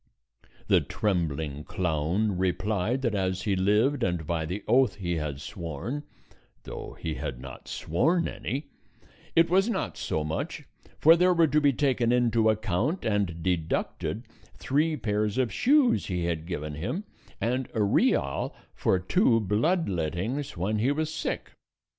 The trembling clown replied that as he lived and by the oath he had sworn (though he had not sworn any) it was not so much; for there were to be taken into account and deducted three pairs of shoes he had given him, and a real for two blood lettings when he was sick.